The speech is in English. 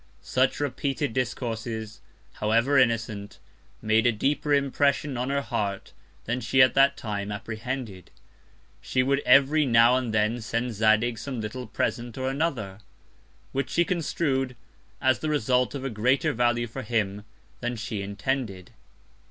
Such repeated Discourses, however innocent, made a deeper Impression on her Heart, than she at that Time apprehended. She would every now and then send Zadig some little Present or another; which he construed as the Result of a greater Value for him than she intended.